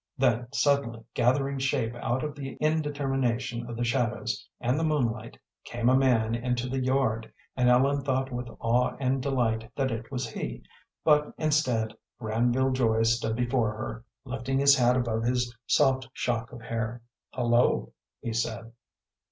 Then suddenly, gathering shape out of the indetermination of the shadows and the moonlight, came a man into the yard, and Ellen thought with awe and delight that it was he; but instead Granville Joy stood before her, lifting his hat above his soft shock of hair. "Hullo!" he said.